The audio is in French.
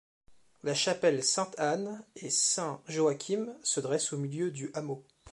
La chapelle Sainte-Anne et Saint-Joachim se dresse au milieu du hameau.